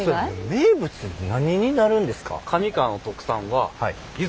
名物って何になるんですか？